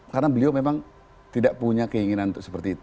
karena beliau memang tidak punya keinginan untuk seperti itu